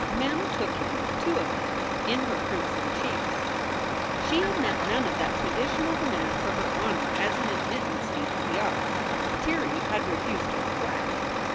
Mem took him two of them in her crimson cheeks. She had met none of that traditional demand for her honor as an admittance fee to the art. Tirrey had refused her flat.